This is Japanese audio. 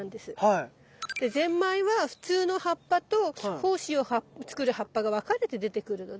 でゼンマイは普通の葉っぱと胞子を作る葉っぱが分かれて出てくるのね。